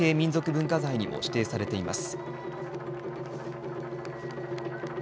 文化財にも指定されています。